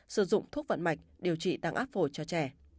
sử dụng thuốc vận mạch điều trị tăng áp phổi cho trẻ